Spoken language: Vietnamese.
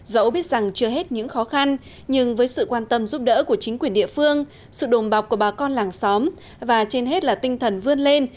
dẫu biết rằng chưa hết những khó khăn nhưng với sự quan tâm giúp đỡ của chính quyền địa phương sự đùm bọc của bà con làng xóm và trên hết là tinh thần vươn lên